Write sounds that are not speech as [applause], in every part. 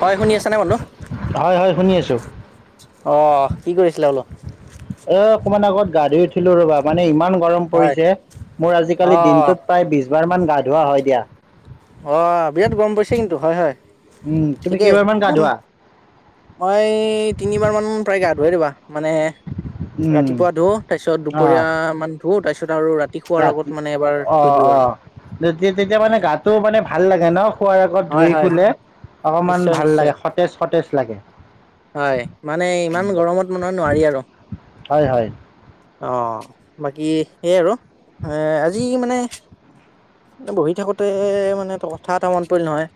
হয় শুনি আছা নে মানুু হয় হয় শুনি আছো অঁ কি কৰি আছিলা বোলো এ অকমান আগত গা ধুই উঠিলো ৰবা মানে ইমান গৰম হয়। পৰিছে মোৰ আজিকালি অ' দিনটোত প্ৰায় বিছ বাৰ মান গা ধুৱা হয় দিয়া অ বিৰাট গৰম পাৰিছে কিন্তু হয় হয় উম তুমি ঠিকেই কেইবাৰ মান গা ইমান ধোৱা মই তিনিবাৰ মান প্ৰায় গা ধোৱে ৰবা মানে উম ৰাতিপুৱা ধুও তাৰপিছত অ দুপৰীয়া মান ধুও তাৰপিছত আৰু ৰাত ৰাতি অ অ তেতিয়া তেতিয়া এ, মানে গাটোঅ মানে ভাল লাগে ন খোৱাৰ আগত হয় ধুই হয় শুলে অকমান নিশ্চয় ভাল নিশ্চয় লাগে সতেজ সতেজ লাগে হয় মানে ইমান গৰমত মানু নোৱাৰি আৰু হয় হয় অ বাকী সেই আৰু এ আজি মানে বহি থাকোতে মানে কথা এটা মনত পৰিল নহয়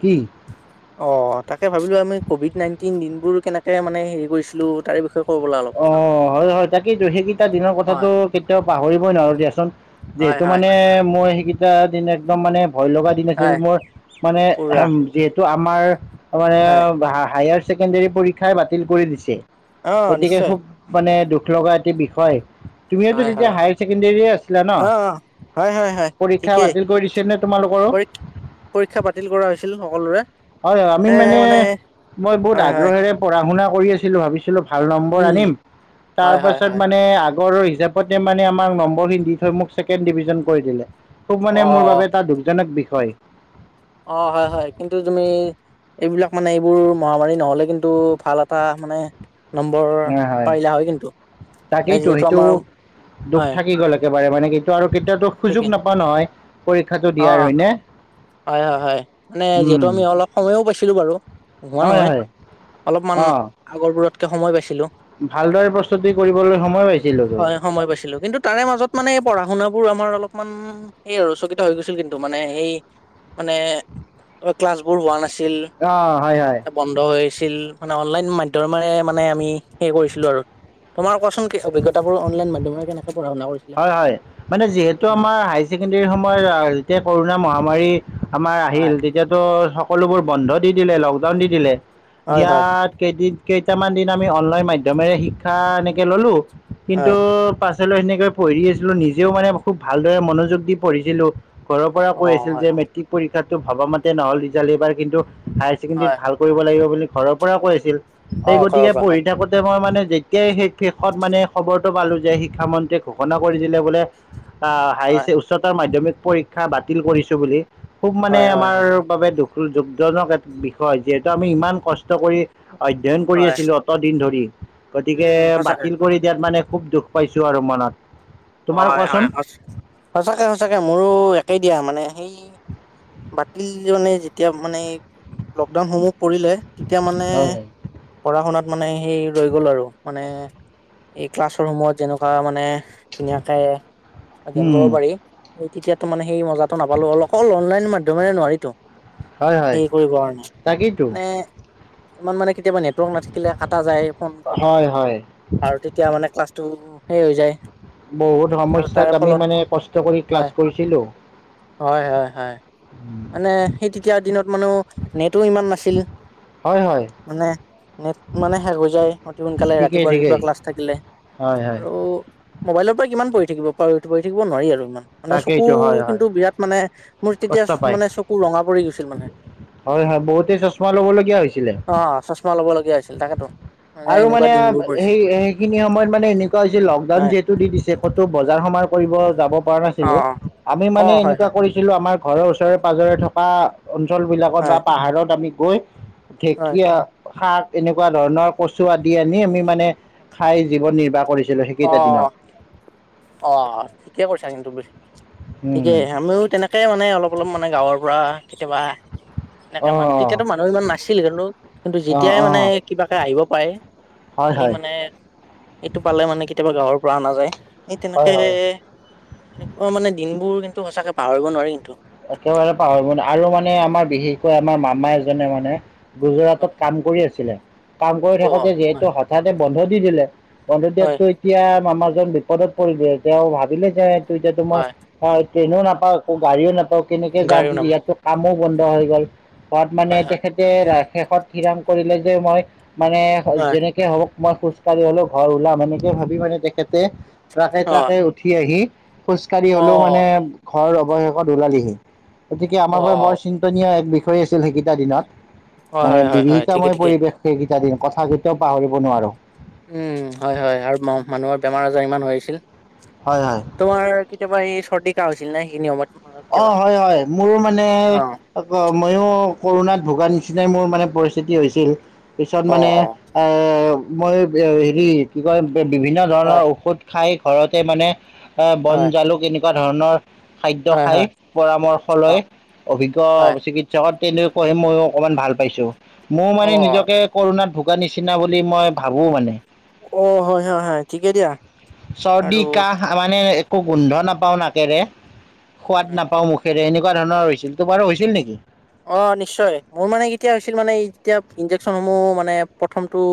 কি অ তাকে ভাবিলো আমি কভিড নাইণ্টিন দিনবোৰ কেনেকে মানে হেৰি কৰিছিলো তাৰে বিষয়ে ক'ব ব'লা অলপ। অ হয় হয় তাকেইতো সেইকেইটা দিনৰ হয় কথাটো কেতিয়াও পাহৰিবই নোৱাৰো দিয়াচোন হয় যিহেতু হয় মানে মোৰ সেইকেইটা দিন একদম মানে ভয় লগা এতিয়াতো হয়। মৰ মানে পুৰা যিহেতু আমাৰ মানে হয় হা হায়াৰ ছেকেণ্ডেৰী পৰীক্ষাই বাতিল কৰি দিছে। অ গতিকে নিশ্চয় খুব মানে দুখ লগা এটি বিষয় তুমিয়োতো হয় হয় তেতিয়া হয়। হায়াৰ ছেকেণ্ডেৰীয়ে আছিলা ন? অ অ হয় হয় হয় পৰীক্ষা ঠিকেই বাতিল কৰি দিছে নে তোমালোকৰো? পৰী পৰীক্ষা বাতিল কৰা হৈছিল সকলোৰে। [unintelligible] আমি মানে মই বহুত হয় হয় আগ্ৰহেৰে পঢ়া শুনা কৰি আছিলোঁ ভাবিছিলোঁ ভাল নম্বৰ উম আনিম তাৰ হয় হয় পাছত হয়। মানে আগৰ হিচাপ প্ৰত্যে মানে আমাক নম্বৰিং দি থৈ মোক ছেকেন ডিভিজন কৰি দিলে। খুব অ মানে মোৰ বাবে এটা দুখজনক বিষয়। অ', হয় হয় কিন্তু তুমি এইবিলাক মানে এইবোৰ মহামাৰী নহ'লে কিন্তু ভাল এটা মানে নম্বৰ পাৰিলা হয় কিন্তু মানে তাকেইতো যিহেতু সেইটো আমাৰ দুখ হয়। থাকি গ'ল একেবাৰে মানে কিন্তু আৰু কেতিয়াওতো সুযোগ ঠিকে নাপাওঁ নহয় পৰীক্ষাটো অ দিয়াৰ হয় নে? হয় হয় হয় মানে যিহেতু আমি অলপ সময়ো পাইছিলোঁ বাৰু [unintelligible] হয় নহয় হয় অলপমান অ আগৰবোৰতকে সময় পাইছিলোঁ। ভালদৰে প্ৰস্তুতি কৰিবলৈ সময় পাইছিলোঁতো। হয় সময় পাইছিলোঁ কিন্তু তাৰে মাজত মানে পঢ়া শুনাবোৰ আমাৰ অলপমান [unintelligible] কিন্তু মানে সেই মানে অ', ক্লাছবোৰ হোৱা নাছিল। অ', হয় হয়। বন্ধ হৈছিল মানে অনলাইন মাধ্যমেৰে মানে আমি সেই কৰিছিলোঁ আৰু তোমাৰ কোৱা [unintelligible] অনলাইন মাধ্যমেৰে কেনেকে পঢ়া শুনা কৰিম হয় হয় মানে যিহেতু আমাৰ হাই ছেকেণ্ডৰী সময়ত আ, যেতিয়া কৰোণা মহামাৰী আমাৰ আহিল হয় তেতিয়াতো সকলোবোৰ বন্ধ দি দিলে লকডাউন দি দিলে হয় হয় দিয়াত কেইদিন কেইটামান দিন আমি অনলাইন মাধ্যমেৰে শিক্ষা এনেকে ল'লো কিন্তু হয় পাছলে সেনেকৈ পঢ়ি আছিলোঁ নিজেও মানে খুব ভালদৰে মনোযোগ দি পঢ়িছিলো। ঘৰ পৰা অ কৈ আছিল হয় যে হয় মেট্ৰিক পৰীক্ষাতো ভবা মতে নহ'ল ৰিজাল্ট এইবাৰ কিন্তু হায়াৰ ছেকেণ্ডৰীত হয় ভাল কৰিব লাগিব বুলি ঘৰৰ পৰাও কৈ আছিল অ সেই ঘৰৰ গতিকে পৰা হয় পঢ়ি থাকোত তে মই মানে যেতিয়াই সেই শেষত মানে খবৰটো পালোঁ যে শিক্ষামন্ত্ৰীয়ে ঘোষণা কৰি দিলে বোলে আ, হাইছ হয় উচ্চতৰ মাধ্যমিক পৰীক্ষা বাতিল কৰিছে বুলি। খুব মানে হয় হয় আমাৰ হয় বাবে দুখ [unintelligible] এট বিষয় যিহেতু আমি ইমান কষ্ট কৰি। অধ্যয়ন কৰি হয় আছিলোঁ অত দিন ধৰি গতিকে উম সঁচাকে বাতিল কৰি দিয়াত মানে খুব দুস পাইছোঁ আৰু মনত। তোমাৰ হয় কোৱাচোন হয় সচ সঁচাকে সঁচাকে মোৰো একেই দিয়া মানে সেই বাতিল [unintelligible] যেতিয়া মানে লকডাউন সমূহ পৰিলে তেতিয়া মানে হয় হয় পঢ়া-শুনাত মানে সেই ৰৈ গ'ল আৰু মানে এই ক্লাছৰ ৰুমত যেনেকুৱা মানে ধুনীয়াকে অধ্যয়ন উম কৰব পাৰি [unintelligible] তেতিয়াতো মানে সেই মজাটো নাপালোঁ [unintelligible] অকল অনলাইন মাইত [unintelligible] নোৱাৰিটো হয় হয় হেই কৰিব কাৰণে, তাকেইতো নে ইমান মানে কেতিয়াবা নেটৱৰ্ক নাথাকিলে কাটা যায় ফোন হয় হয় আৰু তেতিয়া মানে ক্লাছটো সেই হৈ যায়। বহুত আৰু সমস্যাত তাৰে আমি ফলত মানে কষ্ট কৰি হয় ক্লাছ কৰিছিলোঁ। হয় হয় হয়। মানে সেই তেতিয়া দিনত মানো নেটো ইমান নাছিল। হয় হয়। মানে নেট মানে শেষ হৈ যায় অতি সোনকালে ঠিকেই ৰাতিপুৱা ঠিকেই ৰাতিপুৱা ক্লাছ থাকিলে। হয় হয়। আৰু মোবাইলৰ পৰা কিমান পঢ়ি থাকিব [unintelligible] পঢ়ি থাকিব নোৱাৰি আৰু ইমান। মানে চকু তাকেইটো হয় হয় কিন্তু বিৰাট মানে মোৰ তেতিয়া কষ্ট পায় মানে চকু ৰঙা পৰি গৈছিল মানে, হয় হয় বহুতে চশমা ল'বলগীয়া হৈছিলে অঁ চছ মা লবলগীয়া হৈছিল তাকেতো। আৰু এনেকুৱা মানে দিনবোৰ পৰিছিল সেই সেইখিনি সময়ত মানে এনেকুৱা হৈছিল লকডাউন হয় যিহে তু দি দিছে কতো বজাৰ সমাৰ কৰিব যাব পৰা অ নাছিলো, আমি অ মানে হয় এনেকুৱা হয় কৰি ছিলো আমাৰ ঘৰৰ ওচৰে পাঁজৰে থকা। অঞ্চলবিলাকত হয় বা পাহাৰত আমি গৈ, হয় ঢেঁকীয়া শাক এনেকুৱা ধৰণৰ। কচু আদি আনি আমি মানে খাই জীৱন নিৰ্বাহ কৰিছিলো সেইকেইটা দিনত। অহ ঠিকে কৰিছা কিন্তু দেই, উম ঠিকেই আমিও তেনে কেই মানে অলপ অলপ মানে গাঁৱৰ পৰা কেতিয়াবা। এনেকে অ মান তেতিয়াতো মানুহ ইমান নাছিল কিন্তু, কিন্তু অ যেতিয়াই অ অ মানে কিবাকে আহিব পাৰে। হয় সেই হয় মানে, এইটো পালে মানে কেতিয়াবা গাঁৱৰ পৰা আনা যায়। এই হয় তেনেকে, হয় তেনেকুৱা মানে দিনবোৰ কিন্তু সঁচাকে পাহৰিব নোৱাৰি কিন্তু। একেবাৰে পাহৰিব নোৱাৰি আৰু মানে আমাৰ বিশেষকৈ আমাৰ মামা এজনে মানে। হয় গুজৰাটত হয় কাম কৰি আছিলে, কাম কৰি অ থাকোতে যিহেতু হঠাতে বন্ধ দি দিলে। বন্ধ হয় হয় দিয়াতটো এতিয়া মামাজন বিপদত পৰিলে তেওঁ ভাবিলে যে তোৰ এতিয়াতো হয় মই হয় ট্ৰেইনো নাপাও আকৌ গাড়ীও নাপাও কেনেকে যাম গাড়ীও নাপায় ইয়াতো কামো বন্ধ হৈ গ'ল। মানে হয় হয় তেখেতে শেষত থিৰাং কৰিলে যে মই মানে হয় যেনে কে হওক মই খোজ কঢ়ি হলেও ঘৰ ওলাম এনেকে ভাবি মানে তেখেতে ট্ৰাকে অ ট্ৰাকে উঠি আহি। খোজ কাঢ়ি হলেও মানে অ ঘৰ অৱশেষত ওলালেহি। গতিকে অ আমাৰ বাবে বৰ চি ন্তনিয় এক বিষয় আছিল সেইকেইটা দিনত হয় মানে হয় হয় হয় ঠিকে বিভীষিকাময় ঠিকে পৰিৱেশ। সেইকেইটা দিন কথা কেইটাও পাহৰিব নোৱাৰো। উম হয় হয় আৰু মানুহৰ বেমাৰ আজাৰ ইমান হৈ আছিল। হয় হয়। তোমাৰ কেতিয়াবা এই চৰ্দি কাহ হৈছিল না সেইখিনী সময়ত? অ কেতিয়াবা হয় হয় মোৰ মানে অ মইয়ো কৰোণাত ভোগা নিচিনাই মোৰ মানে পৰিস্থিতি হৈছিল পিছত অ মানে আহ মই হেৰি কি কয় বিভিন্ন ধৰণৰ হয় ঔষধ খাই ঘৰতে মানে এ বন হয় জালুক এনেকুৱা ধৰণৰ খাদ্য হয় খাই। হয় পৰামৰ্শ অ লৈ হয় অভিজ্ঞ চিকিৎসকত তেনেকৈ হে মই অকমান ভাল পাইছো। মোৰ অ মানে নিজকে কৰণাত ভোগা নিচিনা বুলি মই ভাবো মানে। অ হয় হয় হয় ঠিকে দিয়া, চৰ্দি আৰু কাহ মানে একো গোন্ধ নাপাওঁ নাকেৰে। সোৱাদ হয় নাপাও মুখেৰে এনেকুৱা ধৰণৰ হৈছিল। তোমাৰো হৈছিল নেকি? অ নিশ্চয়। মোৰ মানে কেতিয়া হৈছিল মানে যেতিয়া ইনজেকচন সমূহ মানে প্ৰথমটো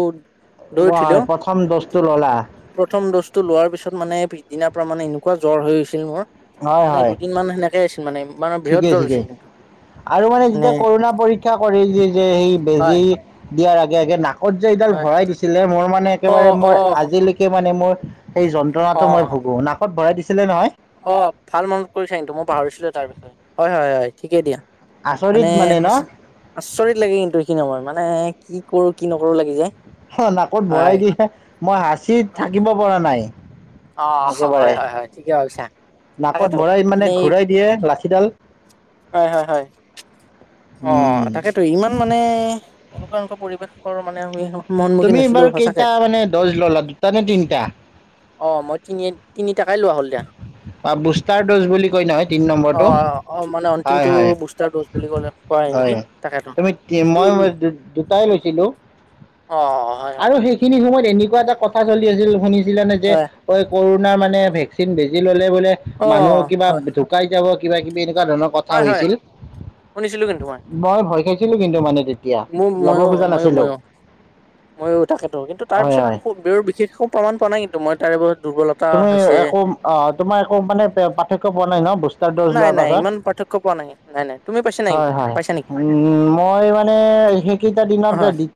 লৈ লোৱা উঠিলো হয় প্ৰথম ড'জটো ললা? প্ৰথম ড'জটো লোৱাৰ পিছত মানে পিছদিনাৰ পৰা মানে এনেকুৱা জ্বৰ হৈ গৈছিল মোৰ হয় মানে হয় দুদিন মান সেনে কোৱা হৈছিল মানে, মানে বৃহৎ ঠিকেই জ্বৰ ঠিকেই হৈছিল কিন্তু। আৰু মানে যেতিয়া কৰোণা পৰীক্ষা কৰে যে যে সেই বেজী হয় দিয়াৰ আগে আগে না কত যে সেইডাল হয় ভৰাই দিছিলে মোৰ মানে অ একেবাৰে অ মোৰ আজিলৈকে মানে মোৰ সেই অ যন্ত্ৰণাটো মই ভুগো। নাকত ভৰাই দিছিলে নহয়? অ ভাল মনত কৰিছা কিন্তু, মই পাহৰিছিলো তাৰ বিষয়ে, হয় হয় হয় ঠিকেই দিয়া। আচৰিত মানে ন সঁচা আচৰিত লাগে কিন্তু এইখিনি সময় মানে কি কৰো কি নকৰো লাগি যায়। অ নাকত ভৰাই হয় দিলে। মই হাঁচিত থাকিব পৰা নাই। অ একেবাৰে। হয় হয় হয় ঠিকে ভাবিছা তাকেতো নাকত ভৰাই মানে এই ঘূৰাই দিয়ে লাঁঠিডাল। হয়, হয়, হয়। উম, উম। ত' ইমান মানে এনেকুৱা এনেকুৱা পৰিৱেশৰ মানে [unintelligible] তুমি হৈছিলো বাৰু সঁচাকে কেইটা মানে দ'জ ল'লা দুটা নে তিনিটা? অ', মই তিনি তিনি টাকাই লোৱা হ'ল দিয়া। বা বুষ্টাৰ ড'জ বুলি কয় নহয় তিন অ নম্বৰটো, অ মানে হয় অন্তিমটো হয়। বুষ্টাৰ ড'জ বুলি ক'লে কয় হয়, নেকি তাকেতো তুমি কি এইটো মই-মই দু-দুটাই লৈছিলো। অ', হয়, হয়। খিনি সময়ত এনেকুৱা এটা কথা চলি আছিল, শুনিছিলা নে যে হয় ঐ ক'ৰণাৰ মানে ভেকচিন বেজী ল'লে বোলে অ মানুহ কিবা হয় ধুক কাই যাব কিবা কিবি এনেকুৱা ধৰণৰ কথা হয় হয় হৈছিল! শুনিছিলো কিন্তু মই ভয় খাইছিলো কিন্তু মানে তেতিয়া, মোৰ ল'ব খোজা নাছিলো। মইও তাকেতো কিন্তু তাৰ পিছত হয় বিশেষ এক প্ৰমাণ পোৱা নাই কিন্তু মই তাৰে পিছত দুৰ্বল তুমি একো অ' তোমাৰ একো মানে পাৰ্থক্য পোৱা নাই ন বুষ্ট তাৰ ড'জ নাই লোৱাৰ নাই পাছত? ইমান পাৰ্থক্য পোৱা নাই নাই নাই তুমি পাইছা নেকি হয় হয় পাইছা নেকি ম-মই মানে বিশেষ কেইটা দিনতে হয় দি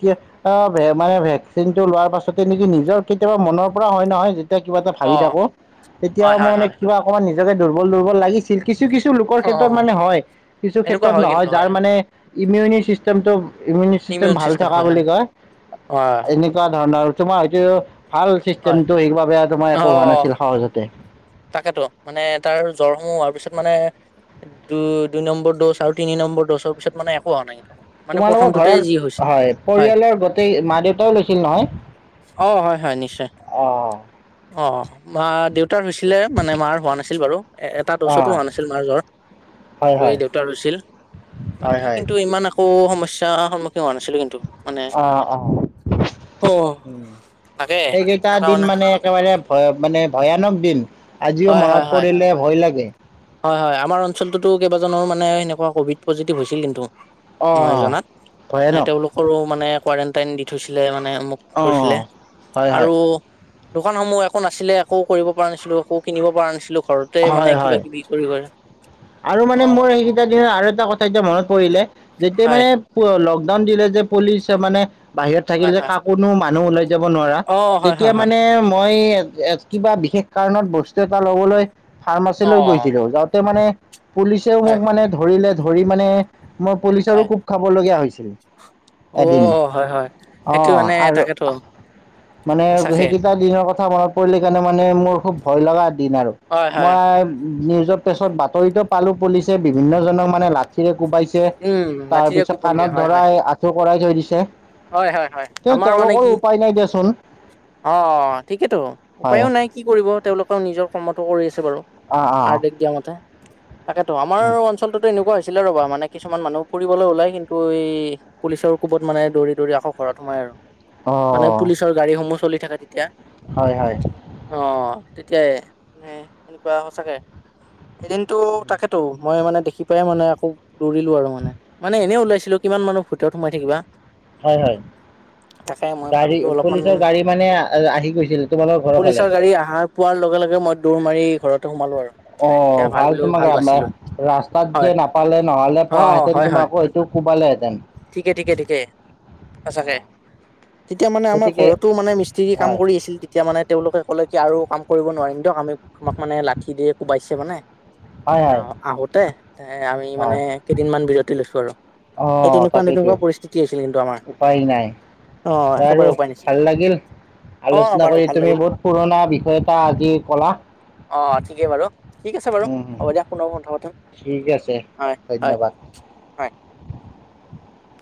মানে ভেকচিনটো লোৱাৰ পাছতে নেকি নিজৰ কেতিয়াবা মনৰ পৰা হয় নহয় যেতিয়া কিবা এটা অ ভাবি থাকো। তেতিয়া হয় মই হয় মানে হয় কিবা অকণমান নিজকে দুৰ্বল দুৰ্বল লাগি কিছু কিছু লোকৰ অ ক্ষেত্ৰত মানে হয়। কিছু এনেকুৱা ক্ষেত্ৰত হয় নহয় কিন্তু হয় যাৰ মানে ইমিউনি চিষ্টেমটো ইমিউনি চিষ্টেম ইমিউন ভাল থকা হয় হয় বুলি কয়। হয় এনে তেনেকুৱা ধৰণৰ আৰু তোমাৰ হয়তো ভাল হয় চিষ্টেমটো সেই বাবে তোমাৰ একো হোৱা অ' নাছিল সহজতে। তাকেতো মানে তাৰ জ্বৰসমূহ হোৱাৰ পিছত মানে দুই-দুই নম্বৰ ড'জ আৰু তিনি নম্বৰ ড'জৰ পিছত মানে একো হোৱা নাই কিন্তু। মানে তোমালোকৰ প্ৰথমটোতেই যি ঘৰত হৈছিল হয় পৰিয়ালৰ গোটেই মা দেউতাও লৈছিল নহয়? অ', হয়, হয় নিশ্চয় অঁ অ' অ' মা দেউতাৰ হৈছ ছিলে মানে মাৰ হোৱা নাছিল বাৰু এটা ড'জতো অঁ হোৱা নাছিল মাৰ জ্বৰ। হয় তোৰ এই হয়। দেউতা হৈছিল হয় বাকী হয়। কিন্তু ইমান একো সমস্যা সন্মুখীন হোৱা নাছিলো কিন্তু। মানে অ', অ', অ' উম তাকে সেইকেইটা এনেকুৱা দিন মানে একেবাৰে ভয় মানে ভয়ানক দিন আজিও হয় মনত হয় হয় পৰিলে ভয় লাগে। হয়, হয়, আমাৰ অঞ্চলটোতো কেইবাজনৰো মানে সেনেকুৱা ক'ভিড পজিটিভ হৈছিল কিন্তু। মই অ' জনাত, মানে ভয়ানক তেওঁলোক কৰো মানে কোৱাৰেণ্টাইন দি থৈছিলে মানে মোক কৰিছিলে অ' হয় হয় আৰু দোকানসমূহ একো নাছিলে একো কৰিব পৰা নাছিলোঁ একো কিনিব পৰা নাছিলো। ঘৰতে মানে হয় কিবা হয়। কিবি কৰিবৰ। আৰু মানে মোৰ সেইকেইটা দিনত আৰু এটা কথা এতিয়া মনত পৰিলে। যেতিয়া হয় মানে লকডাউন দিলে যে পুলিচ মানে বাহিৰত থাকিল হয় যে হয় কাক কোনো মানুহ ওলাই যাব নোৱাৰা, অ হয় তেতিয়া হয় হয় মানে মই কিবা বিশেষ কাৰণত বস্তু এটা ল'বলৈ ফাৰ্মাচী অ লৈ গৈছিলোঁ। যাওঁতে মানে পুলিচেও হয় মোক মানে ধৰিলে ধৰি মানে মই পুলিচৰো হয় কোব খাবলগীয়া হৈছিল। অ এদিন, হয় হয় সেইটো অ' মানে আৰু তাকেতো মানে সঁচাকে সেইকেইটা দিনৰ কথা মনত পৰিলে কাৰণে মানে মোৰ খুব ভয় লগা দিন আৰু হয় হয় মই নিউজৰ পেছত বাতৰিতো পালো পুলিচে বিভিন্ন জনক মানে লাঠি লাঠিৰে কোবাইছে উম তাৰ লাঠিৰে পিছত কোবন কাণত দিয়ে হয় হয় ধৰাই আঁঠু কঢ়াই থৈ দিছে। হয় হয় হয় তেওঁ আমাৰ মানে কি তেওঁলোকৰো উপায় নাই দিয়াচোন। অ' অ' ঠিকেইেতো হয় উপায়ো নাই। কি কৰিব তেওঁলোকেও নিজৰ কৰ্মতো কৰি আছে বাৰু, অঁ অঁ আৰ্দিক দিয়া মতে। তাকেতো, আমাৰ অঞ্চলটোতো এনেকুৱা হৈছিলে ৰ'বা মানে। কিছুমান মানুহ ফুৰিবলৈ ওলাই কিন্তু, এই পুলিচৰ কোবত মানে দৌৰি দৌৰি আকৌ ঘৰত সোমাই আৰু। মানে, অঁ পুলিচৰ গাড়ীসমূহ চলি থাকে তেতিয়া। হয় হয়। অ' তেতিয়া হে। সেনেকুৱা সঁচাকে, এদিনতটো তাকেতো মই মানে দেখি পাই মানে আকৌ - দৌৰিলো আৰু মানে মানে এনেই ওলাইছিলো। কিমান মানুহৰ ভিতৰত সোমাই থাকিবা। হয় হয়। তাকে মই গাড়ী, ভাবিলো অলপমান পুলিচৰ গাড়ী মানে আহি গৈছিল তোমালোকৰ ঘৰৰ পুলিচৰ ফালে। গাড়ী আহাৰ পোৱাৰ লগে লগে মই দৌৰ মাৰি ঘৰতে সোমালো আৰু। মানে তেতিয়া অ' ভাল ভাবিলো তোমাক বাচিলো [unintelligible] ৰাস্তাত হয় যে নাপালে, নহলে অ পোৱাহেঁতেন হয় হয় তোমাকো হয়টো কোবালেহেতেন। ঠিকে ঠিকে ঠিকে সঁচাকে। তেতিয়া মানে আমাৰ গতিকে ঘৰতো মানে মিস্ত্ৰী কাম হয় কৰি আছিল তেতিয়া মানে, তেওঁলোকে ক'লে কি আৰু কাম কৰিব নোৱাৰিম। দিয়ক আমি আমাক মানে লাঠি দিয়ে কোবাইছে মানে- হয় হয় আহ' আহোতে এ আমি মানে কেইদিন মান বিৰতি লৈছো আৰু। সেই অ' তেনেকুৱা তাকেইেতো তেনেকুৱা পৰিস্থিতি হৈছিল কিন্তু আমাৰ উপায় নাই। অ বাৰু, একেবাৰে উপায় নাছিল ভাল লাগিল। অ আলোচনা বাৰু কৰি ভাল তুমি লাগিল বহুত পুৰণা বিষয় এটা আজি ক'লা - অ' ঠিকেই বাৰু ঠিক আছে বাৰু উম, উম, হ'ব দিয়া পুনৰ কথা পঠাম। ঠিক আছে হয় হয় ধন্যবাদ। হয় [inaudible]